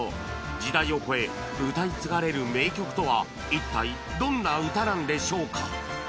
時代を超え歌い継がれる名曲とは一体どんな歌なんでしょうか？